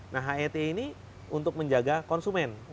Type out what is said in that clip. nah het ini untuk menjaga konsumen